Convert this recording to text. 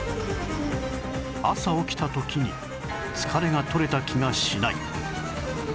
朝起きた時に疲れがとれた気がしない